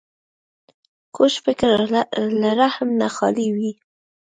کوږ فکر له رحم نه خالي وي